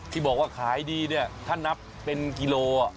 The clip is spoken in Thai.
ที่บอกว่าขายดีเนี่ยถ้านับเป็นกิโล